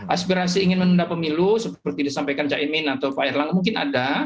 aspirasi ingin menunda pemilu seperti disampaikan pak emin atau pak erlang mungkin ada